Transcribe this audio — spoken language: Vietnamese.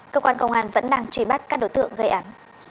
cơ quan công an vẫn đang truy bắt các đối tượng gây án